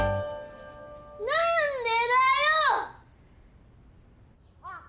何でだよ！